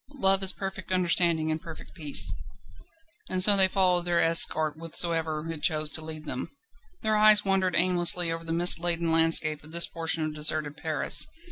Love is perfect understanding and perfect peace. And so they followed their escort whithersoever it chose to lead them. Their eyes wandered aimlessly over the mist laden landscape of this portion of deserted Paris.